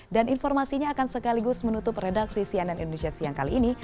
dan informasinya akan sekaligus menutup redaksi cnn indonesia siang kali ini